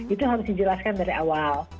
itu harus dijelaskan dari awal